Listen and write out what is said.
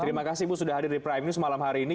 terima kasih ibu sudah hadir di prime news malam hari ini